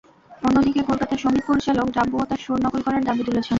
অন্যদিকে, কলকাতার সংগীত পরিচালক ডাব্বুও তাঁর সুর নকল করার দাবি তুলেছেন।